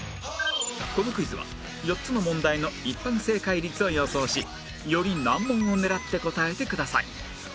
このクイズは４つの問題の一般正解率を予想しより難問を狙って答えてください